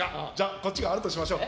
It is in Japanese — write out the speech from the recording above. こっちがあるとしましょう。